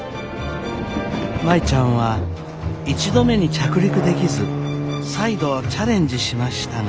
舞ちゃんは１度目に着陸できず再度チャレンジしましたが。